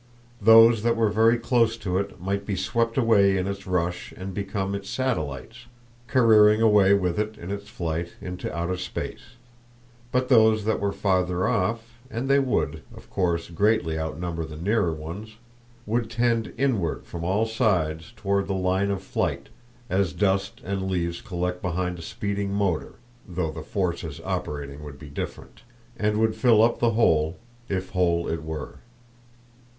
Those that were very close to it might be swept away in its rush and become its satellites, careering away with it in its flight into outer space; but those that were farther off, and they would, of course, greatly outnumber the nearer ones, would tend inward from all sides toward the line of flight, as dust and leaves collect behind a speeding motor (though the forces operating would be different), and would fill up the hole, if hole it were.